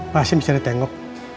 pak hashim silahkan tengok